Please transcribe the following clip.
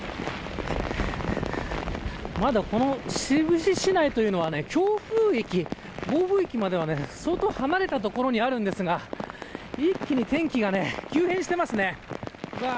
まだ、この志布志市内というのは強風域、暴風域までは離れた所にあるんですが一気に天気が急変しています。